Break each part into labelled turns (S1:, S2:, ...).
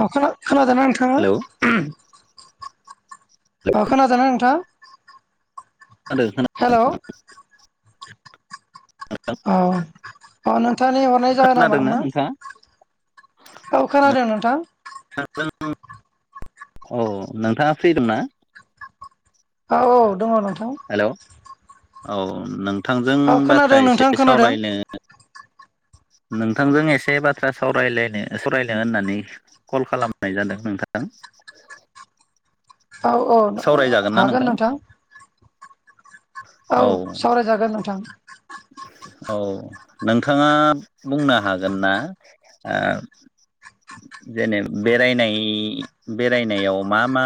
S1: नोंथङा खोनादोंना नोंथाङा
S2: हेलौ
S1: अह खोनादोंना नोंथां?
S2: खोनादों
S1: हेलौ औ
S2: [inaudible]
S1: अ नोंथांनि हरनाय जाहोन
S2: खोनादोंना
S1: मामोन
S2: नोंथाङा?
S1: औ खोनादों नोंथां?
S2: औ नोंथाङा फ्रि दं ना?
S1: औ औ दङ नं
S2: हेल' औ नोंथांजों
S1: औ
S2: बाथ्रा
S1: खोनादों
S2: एसे
S1: नोंथां खोनादों
S2: सावरायनो [inaudible] नोंथांजों एसे बाथ्रा सावरायलायनो सावरायनो होननानै कल खालामनाय जादों नोंथां। [inaudible]
S1: औ औ
S2: सावरायजागोन ना
S1: हागोन नोंथां।
S2: औ।
S1: सावरायजागोन नोंथां
S2: औ नोंथाङा बुंनो हागोन ना आ जेने बेरायनाय बेरायनायाव मा मा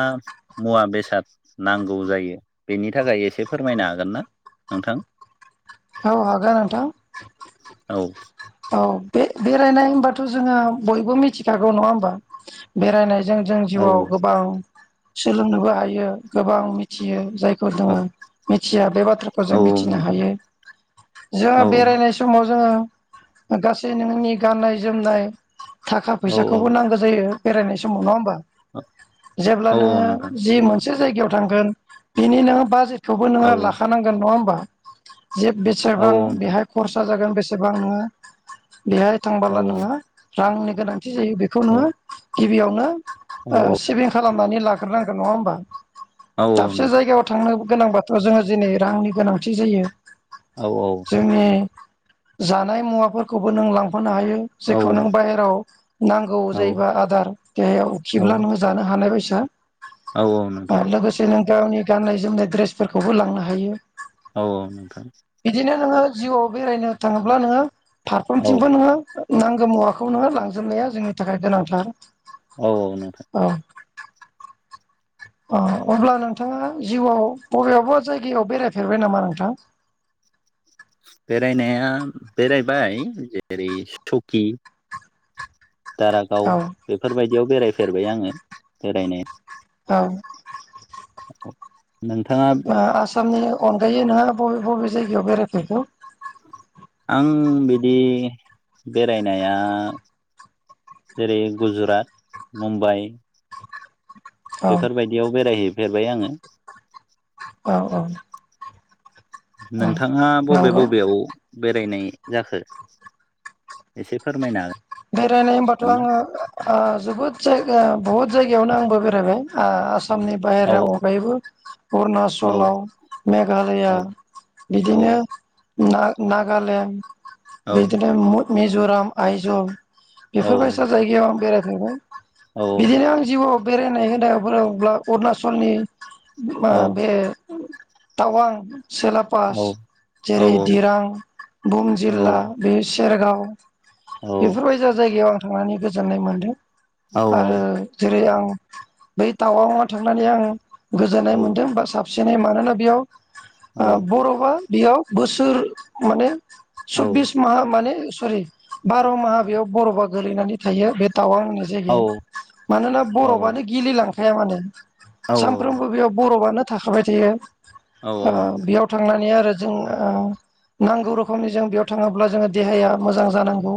S2: मुवा बेसाद नांगौ जायो बेनि थाखाय एसे फोरमायनो हागोन ना नोंथां?
S1: औ हागोन नोंथां।
S2: औ।
S1: औ बे बेरायनाय होनबाथ' जोङो बयबो मिथिखागौ नङा होमबा बेरायनाय जों जों
S2: औ
S1: जिउआव गोबां सोलोंनोबो हायो गोबां मिथियो जाय खौ जों
S2: औ
S1: मिथिया बे बाथ्राखौ
S2: औ
S1: जों
S2: औ
S1: मिथिनो
S2: नोंथां
S1: हायो। जोङो
S2: औ औ
S1: बेरायनाय समाव जोङो गासै नोंनि गाननाय-जोमनाय थाखा
S2: औ
S1: फैसाखौबो नांगौ जायो। बेरायनाय समाव नङा होमबा
S2: औ
S1: जेब्लानोङो
S2: नोंथां
S1: जि मोनसे मोनसे जायगायाव थांगोन बिनि नोङो बाजेटखौबो
S2: औ
S1: नोङो लाखानांगोन नङा होमबा? जे
S2: औ
S1: बेसेबां
S2: नोंथां
S1: बेहाय खरसा जागोन बेसेबां नोङो बेहाय
S2: औ
S1: थांबोला नोङो रांनि गोनांथि जायो बेखौ नोङो गिबियावनो ओ
S2: औ
S1: सेभिं खालामनानै लाग्रोनांगोन नङा होमबा?
S2: औ
S1: दाबसे
S2: नोंथां
S1: जायगायाव थांनो गोनांबाथ' जोङो दिनै रांनि गोनांथि जायो
S2: औ
S1: जोंनि जा जानाय मुवाफोरखौबो नों लां लांफानो हायो
S2: औ
S1: जेखौ नों बाहेराव नांगौ जायोबा आदार देहायाव
S2: औ
S1: उखैब्ला नोङो जानो हानाय बायदि।
S2: औ नोंथां
S1: आरो लोगोसे नों गावनि गाननाय जोमनाय ड्रेसफोरखौबो लांनो हायो।
S2: औ औ नोंथां।
S1: बिदिनो नोङो जिउआव बेरायनो थाङोब्ला नोङो
S2: औ
S1: फारफ्रोमथिंबो नोङो नांगौ मुवाखौ नोङो लांजोबनाया जोंनि थाखाय गोनांथार।
S2: औ औ नोंथां।
S1: अ अब्ला नोंथाङा जिउआव बबेआवबा जायगायाव बेरायफेरबाय नामा नोंथां?
S2: [inaudible] बेरायनाया बेरायबाय जेरै सकि दारागाव
S1: औ
S2: बेफोरबायदियाव बेरायफेरबाय आङो बेरायनाय
S1: औ
S2: नोंथाङा
S1: आसामनि अनगायै नोंथांआ बबे बबे जायगायाव बेरायखो होम?
S2: आं बिदि बेरायनाया जेरै- गुजरात, मुम्बाइ
S1: औ
S2: बेफोरबायदियाव बेरायहैफेरबाय आङो।
S1: औ औ। औ
S2: नोंथाङा बबे
S1: नंगौ
S2: बबेयाव बेरायनाय जाखो एसे फोरमायनो हागोन।
S1: बेरायनाय होनबाथ'
S2: ना?
S1: आङो ओ जोबोद जायगा बहुत जायगा यावनो आंबो बेरायबाय आसामनि
S2: औ
S1: बाहेरानि अगायैबो
S2: औ
S1: अरुणाचलाव
S2: औ
S1: मेघालया
S2: औ
S1: बिदिनो ना-नागालेण्ड बिदिनो म मिज'राम आइजल
S2: औ
S1: बेफोरबायसा जायगायाव आं बेरायहैबाय।
S2: औ
S1: बिदिनो आं जिउआव बेरायनाय होनना बुङोब्ला अरुणाचलनि मा
S2: औ
S1: बे तावां सिलापास
S2: औ
S1: जेरै दिरां बुम
S2: औ
S1: जिल्ला बे भेरगाव
S2: औ
S1: बेफोरबायसा जायगायाव आं थांनानै गोजोननाय मोन्दों
S2: औ औ
S1: आरो जेरै आं बै टावांआव थांनानै आं गोजोननाय
S2: औ
S1: मोनदों बा साबसिनै मानोना बेयाव आ बर'फा बेयाव बोसोर माने सब्बिस माहा माने सरि बार' माहा बेयाव बर'फा गोलैनानै थायो बे टावां होननाय
S2: औ
S1: जायगायाव। मानोना बरफानो गेलिलांखाया माने सानफ्रोमबो बेयाव बरफानो थाखाबाय थायो आ बेयाव थांनानै आरो जों ओ नांगौ रोखोमनि जों बेयाव थाङोब्ला जोङो देहाया मोजां जानांगौ।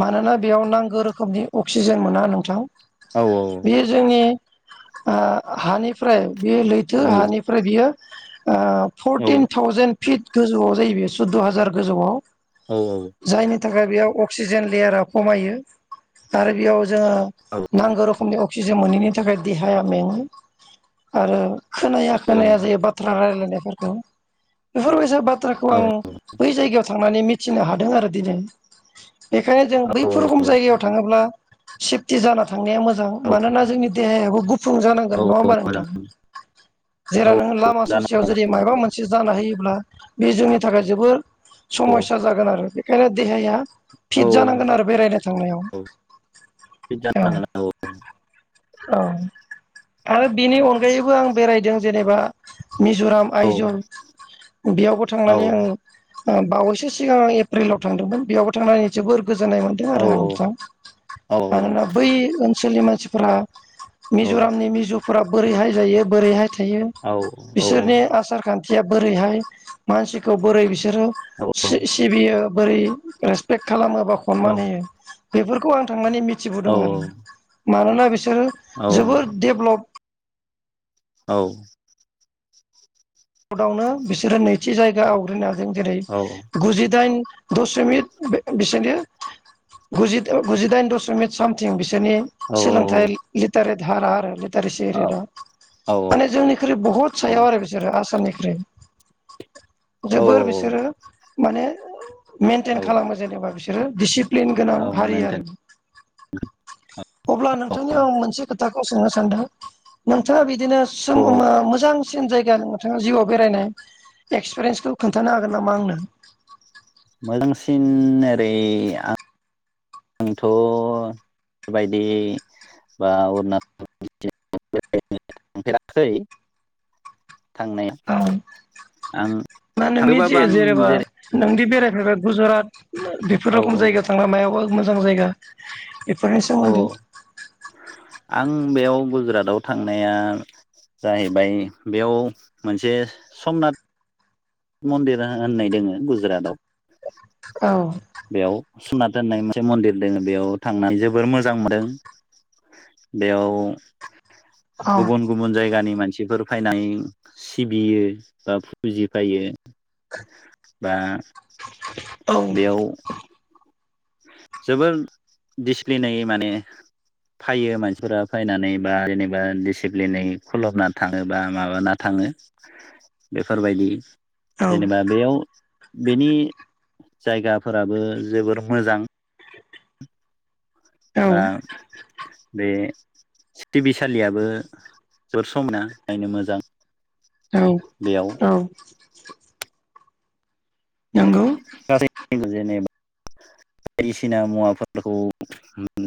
S1: मानोना बेयाव नांगो रोखोमनि अक्सिजेन मोना नोंथां। बेयो जोंनि ओ हानिफ्राय बे लैथो हानिफ्राय बियो ओ फरटिन थावजेेन फिट गोजौआव जायो बे सुदद' हाजार गोजौआव।
S2: औ औ।
S1: जायनि बेयाव अक्सिजेन लेयारा खमायो आरो बेयाव जोङो नांगौ रोखोमनि अक्सिजेन मोनैनि थाखाय देहाया मेङो आरो खोनाया खोनाया जायो बाथ्रा रायलायनायफोरखौ। बेफोरबायसा बाथ्राखौ आं बै जायगायाव थांनानै मिथिनो हादों आरो दिनै। बेखायनो जों बैफोर रोखम जायगायाव थाङोब्ला सेफटि जाना थांनाया मोजां। मानोना जोंनि देहायाबो गुफुं जानांगोन नङा होमबा नोंथां। जेराव नोङो लामा ससेयाव
S2: जानांगौ औ
S1: जुदि माबा मोनसे जाना होयोब्ला बे जोंनि थाखाय जोबोर समयसा जागोन आरो बेखायनो देहाया फिट जानांगोन आरो बेरायनो थांनायाव। औ
S2: [unintelligible]
S1: आरो बिनि अनगायैबो आं बेरायदों जेनेबा मिज'राम
S2: औ
S1: आइजल बेयावबो
S2: औ
S1: थांनानै आं आ बावैसो सिगां एप्रिलाव थांदोंमोन बेयावबो थांनानै जोबोर गोजोननाय मोनदों आरो आं नोंथां। मानोना बै ओनसोलनि मानसिफोरा मिज'रामनि मिजुफोरा बोरैहाय जायो बोरैहाय थायो बिसोरनि आसार खान थिया बोरैहाय मानसिखौ बोरै बिसोरो सि-सिबियो बोरै रेसपेक्ट खालामो बा खनमान होयो बेफोरखौ आं थांनानै मि थिबोदों आरो मानोना बिसोरो जोबोर डेभलप
S2: औ।
S1: मुलुगावनो बिसोरो नैथि जायगा आवग्रिनो हादों। जेरै गुजिदाइन दसमिट बिसोरनि गुजि गुजिदाइन दसमिट सामथिं बिस सोरनि सोलोंथाइ लिटारेट हारा आरो टारेसि रेदा माने जोंनिख्रुइ बुहुत सायाव आरो बिसोरो आस सामनिफ्राय जोबोर बिसोरो माने
S2: औ
S1: मेनटेन खालामो जेनेबा बिसोरो डिसिप्लिन गोनां हारि आरो अब्ला नोंथांनियाव आं मोनसे खोथाखौ सोंनो सानदों नोंथाङा बि दिनो सोमोनां मोजां सिन जायगा नोंथाङा जिउआव बेरायनाय एक्सपिरियेन्सखौ खोन्थानो हागोन नामा आंनो।
S2: मोजांसिन ओरै आं आंथ' बेबायदि बा अरुणा [unintelligible] थांफेराखै। थांनाया
S1: औ
S2: आं
S1: दा नोंनि
S2: थांदोंबाबो
S1: जि
S2: आं
S1: जेनेबा
S2: जेरै
S1: नोंदि बेरायफेरबाय गुज'रात बेफोर
S2: औ
S1: रोखम जायगा थांना मायावबा मोजां जायगा बेफोरनि
S2: औ
S1: सोमोन्दै
S2: आं बेयाव गुजुरातआव थांनाया जाहैबाय बेयाव मोनसे समनाथ मन्दिरा होननाय दोङो गुजरातआव।
S1: औ
S2: बेयाव सुमनात होननाय मोनसे मन्दिर दङ बेयाव थांनानै जोबोर मोजां मोनदों। बेयाव
S1: औ
S2: गुबुन गुबुन जायगानि मान सिफोर फायनानै सिबियो बा फुजि फायो। बा
S1: औ।
S2: बेयाव जोबोर दिसप्लेनै माने फायो मानसिफोरा फायनानै बा जेनेबा दिसिप्लिनै खुलुमना थाङो बा माबाना थाङ ओ बेफोरबायदि
S1: औ
S2: जेनेबा बेयाव बेनि जायगाफोराबो जोबोर मोजां।
S1: औ
S2: [inaudible] बा बे सिफथिबि सालियाबो जोबोर समाइना नायनो मोजां।
S1: औ
S2: बेयाव
S1: औ। नंगौ
S2: [unintelligible] बायदिसिना मुवाफोरखौ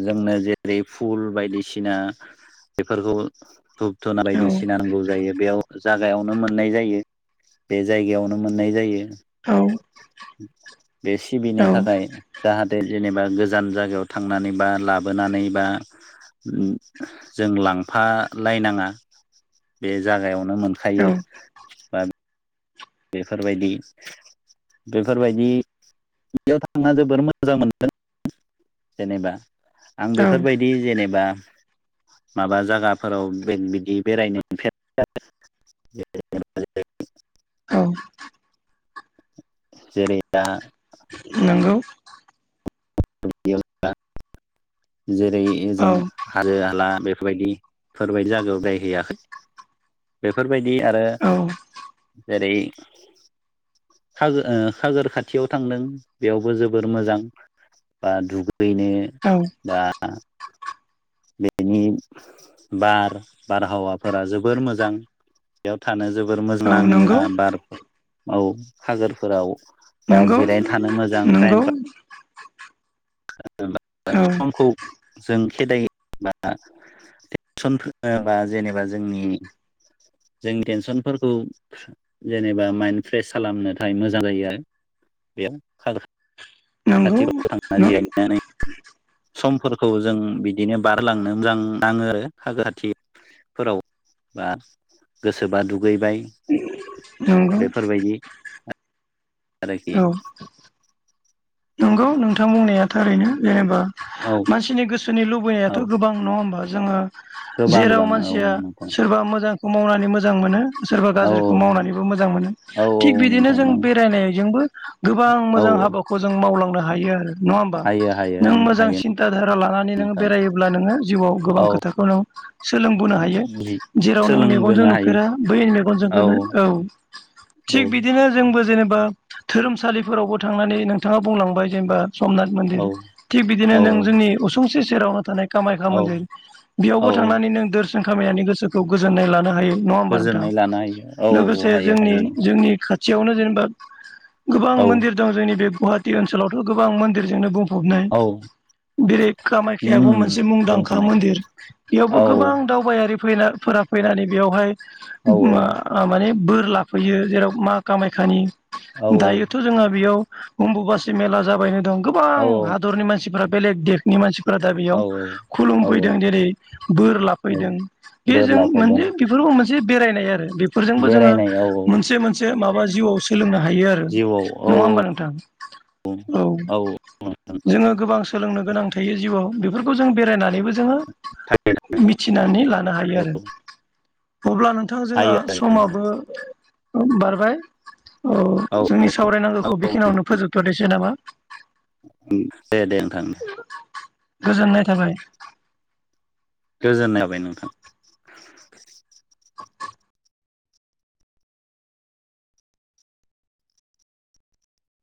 S2: जोंनो जेरै फुल बायदिसिना बेफोरखौ धुप धुना
S1: औ
S2: बायदि सिना नांगौ जायो बेयाव जागायावनो मोननाय जायो बे जायगायावनो मोननाय जायो।
S1: औ।
S2: [inaudible] बे सिबिनो थाखाय जाहाथे जेनेबा गोजान जायगायाव थांनानै बा लाबोनानै बा उम जों लांफा लायनाङा बे जागायावनो नो मोनखायो
S1: औ
S2: बा बेफोरबायदि बेफोरबायदि बेयाव थांना जोबोर मोजां मोनदों जेनेबा आं बेफोरबायदि जेनेबा माबा जागाफोराव बेद बिदि बेरायनो [unintelligible] [unintelligible]
S1: [unintelligible]
S2: जेरै दा
S1: नोंगौ।
S2: [unintelligible] जेरै ओजों
S1: औ
S2: [unintelligible] [unintelligible] [unintelligible] बायदि आरो
S1: औ
S2: जेरै खागो ओ खागोर खाथियाव थांदों बेयावबो जोबोर मोजां बा दुगै हैनो
S1: औ
S2: बा बेनि बार बारहावाफोरा जोबोर मोजां। बेयाव थानो जोबोर मोजां
S1: औ
S2: नाङो
S1: नंगौ
S2: दा बार औ हागोरफोराव बा
S1: नंगौ
S2: जिरायनो थानो मोजां
S1: नंगौ
S2: टाइम पा [unintelligible]
S1: औ
S2: समखौ जों खेदायो बा थेनसन होनोबा जेनेबा जोंनि जों टेनसनफोरखौ जेनेबा माइन्द फ्रेस खालामनो थाखाय मोजां जायो आरो। [unintelligible]
S1: नोंगौ।
S2: [unintelligible] समफोरखौ जों बिदिनो बारलांनो मोजां नाङो आरो सागोर खाथि फोराव बा गोसोबा दुु दुगैबाय
S1: नंगौ
S2: बेफोरबायदि। आरोखि।
S1: औ नंगौ नोंथां बुंनाया थारैनो जेनेबा
S2: औ
S1: मानसिनि गो सोरनि लुबैनायाथ'
S2: औ
S1: गोबां नङा होमबा जोङो
S2: गोबां
S1: जेराव
S2: गोबां औ
S1: मानसिया
S2: नोंथां
S1: सोरबा मोजां खौ मावनानै मोजां मोनो। सोरबा
S2: औ औ
S1: गाज्रिखौ मावनानैबो मोजां मोनो
S2: औ
S1: थिग
S2: औ
S1: बिदिनो
S2: नोंथां
S1: जों
S2: औ
S1: बेरायनायजोंबो गोबां
S2: औ
S1: मोजां हाबाखौ। खौ जों मावलांनो हायो आरो। नङा होमबा
S2: हायो हायो
S1: नों मोजां
S2: हायो
S1: सिन्था धारा लानानै नोङो
S2: नोंथां
S1: बेरायोब्ला नोङो जिउआव गोबां
S2: औ
S1: खोथाखौ नों सोलोंबोनो हायो जेराव नों मेगनजों
S2: सोलोंबोनो हायो
S1: नुफेरा बै मेगनजोंखौनो औ
S2: औ
S1: थिग बिदिनो जोंबो जेनेबा धोरोमसालिफोरावबो थांनानै नोंथाङा बुंलांबाय जेनेबा समनाथ मन्दिर थिग बिदिनो
S2: औ
S1: नों जोंनि उसुंसि सेरावनो थानाय कामाख्या
S2: औ
S1: मोन्दै बेयावबो
S2: औ
S1: थांनानै नों दोरसिन खामायनानै गोसोखौ गोजोननाय लानो हायो। नङाम्बार नोंथां
S2: गोजोननाय लानो हायो औ
S1: लोगोसे
S2: हायो
S1: जोंनि
S2: हायो नोंथां
S1: जोंनि खाथि खाथियावनो जेनेबा गोबां
S2: औ
S1: मन्दिर दं जोंनि बे गुवाहाटि ओनसोलावथ' गोबां मन्दिरजोंनो बुं फबनाय
S2: औ
S1: बेेरै कामाख्बो
S2: उम
S1: मोनसे मुंदांखा
S2: बुंफबनाय
S1: मन्दिर बेयावबो
S2: औ
S1: गोबां दावबायारि फैना फोर फैनानै बेयावहाय
S2: औ औ
S1: माने बोर लाफैयो जेराव मा कामायखानि दायोथ' जोंहा बेयाव हम्बुबासि मेला जाबायनो दं
S2: औ
S1: गोबां हादरनि मानसिफ्रा बेलेग देशनि मानसि दा
S2: औ
S1: बेयाव
S2: औ
S1: खुलुमफैदों जेरै बोर
S2: औ
S1: लाफैदों बे
S2: बोर
S1: जों
S2: लाफैदों
S1: मोनसे बेफोरखौ मोनसे एसे बेरायनाय आरो बेफोरजोंबो जोङो
S2: बेरायनाय औ औ
S1: मोनसे मोनसे माबा जिउआव सोलोंनो ह हायो आरो
S2: जिउआव औ
S1: नङा होमबा नोंथां? औ जोङो गोबां सोलोंनो गोनां थायो जिउ बेफोरखौ जों बेरायनानैबो जोङो मिथिनानै लानो हायो आरो। अब्ला नोंथां जोंहा
S2: हायो हायो
S1: समाबो
S2: नोंथां
S1: बारबाय। औ जोंनि
S2: औ
S1: सावरायनांगौखौ
S2: औ
S1: बेखिनियावनो फोजोबथ'नोसै नामा?
S2: गोनदे
S1: गोजोननाय थाबाय।
S2: गोजोननायाबाय नोंथां।